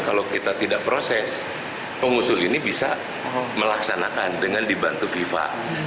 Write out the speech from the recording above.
kalau kita tidak proses pengusul ini bisa melaksanakan dengan dibantu viva